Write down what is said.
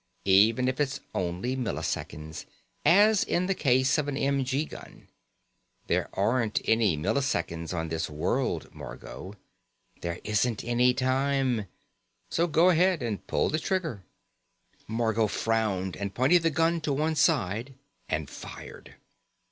Even if it's only milliseconds, as in the case of an m.g. gun. There aren't any milliseconds on this world, Margot. There isn't any time. So go ahead and pull the trigger." Margot frowned and pointed the gun to one side and fired.